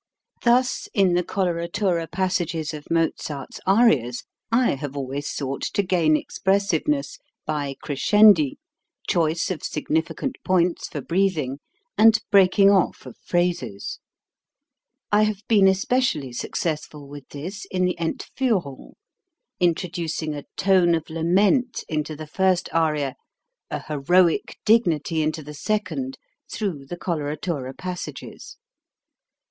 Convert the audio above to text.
Thus, in the coloratura passages of Mozart's arias, I have always sought to gain expressiveness by crescendi, choice of signifi cant points for breathing, and breaking off of phrases. I have been especially successful with this in the Entfiihrung, introducing a tone of lament into the first aria, a heroic dignity into the second, through the colora tura passages.